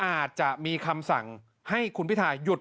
อาจจะมีคำสั่งให้คุณพิทาหยุด